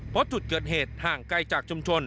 เพราะจุดเกิดเหตุห่างไกลจากชุมชน